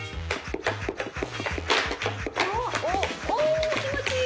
・お気持ちいい！